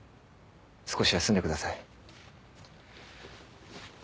少し休んでください。